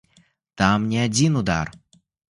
Там не адзін удар.